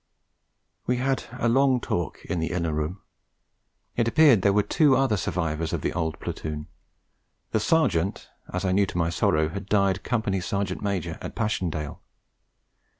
We had a long talk in the inner room. It appeared there were two other survivors of the old Platoon; the Sergeant, as I knew to my sorrow, had died Company Sergeant Major at Passchendaele.